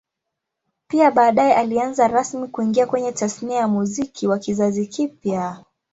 Pia baadae alianza rasmi kuingia kwenye Tasnia ya Muziki wa kizazi kipya